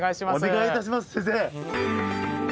お願いいたします先生。